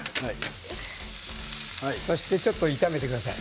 それでちょっと炒めてください。